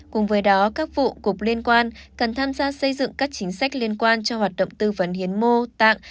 cùng với đó các vụ cục liên quan cần tham gia xây dựng các chính sách liên quan cho hoạt động tư vấn hiến mô tạng